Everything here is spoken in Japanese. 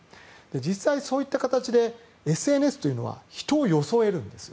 実際、そういった形でＳＮＳというのは人を装えるんです。